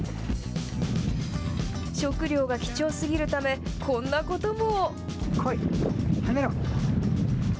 食料が貴重すぎるため、こんなことも。